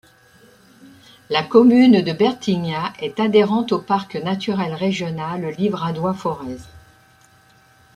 La commune de Bertignat est adhérente du parc naturel régional Livradois-Forez.